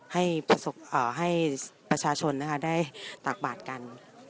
ให้ประชาชนนะคะได้ตากบาดกัน